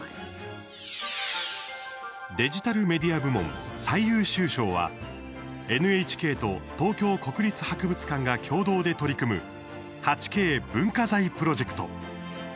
デジタルメディア部門最優秀賞はＮＨＫと東京国立博物館が共同で取り組む「８Ｋ文化財プロジェクト」。